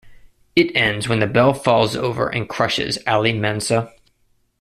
It ends when the bell falls over and crushes Aly Mansuh.